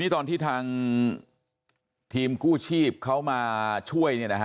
ตอนที่ทางทีมกู้ชีพเขามาช่วย